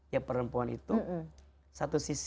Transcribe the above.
ya perempuan itu